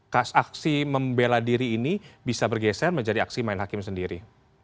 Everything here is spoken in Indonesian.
kasus aksi membela diri ini bisa bergeser menjadi aksi main hakim sendiri